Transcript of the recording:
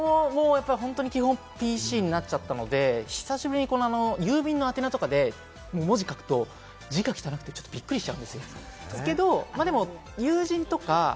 基本、ＰＣになっちゃったので、久しぶりに郵便の宛名とかで文字を書くと、字が汚くてびっくりしちゃうんですよ。